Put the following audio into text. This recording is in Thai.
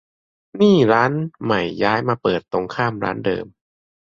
นี่ร้านใหม่ย้ายมาเปิดตรงข้ามร้านเดิม